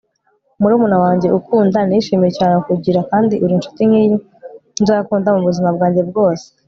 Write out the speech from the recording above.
murumuna wanjye ukunda, nishimiye cyane kukugira kandi uri inshuti nkiyi nzakunda mubuzima bwanjye bwose